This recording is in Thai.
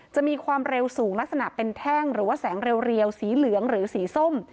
จะมีความเร็วสูงลักษณะเป็นแท่งหรือว่าแสงเรียวสีเหลืองหรือสีส้ม